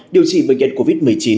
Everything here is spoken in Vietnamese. điều trị bệnh nhân covid một mươi chín